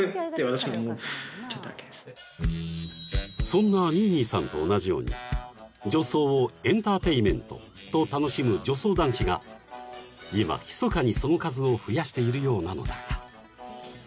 ［そんなにぃにぃさんと同じように女装をエンターテインメントと楽しむ女装男子が今ひそかにその数を増やしているようなのだが］